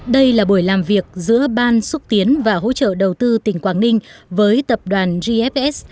đây là buổi làm việc giữa ban xúc tiến và hỗ trợ đầu tư tỉnh quảng ninh với tập đoàn gfs